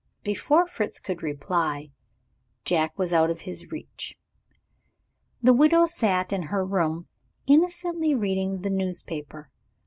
Before Fritz could reply, Jack was out of his reach. The widow sat in her room, innocently reading the newspaper.